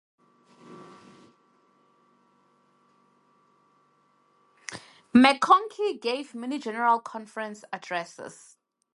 McConkie gave many general conference addresses.